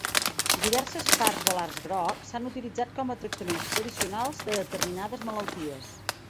Diverses parts de l'arç groc s'han utilitzat com a tractaments tradicionals de determinades malalties.